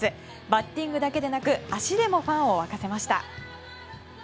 バッティングだけでなく足でもファンを沸かせました。